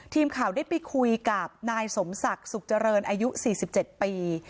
ทีมข่าวได้ไปคุยกับนายสมศักดิ์สุขเจริญอายุ๔๗ปี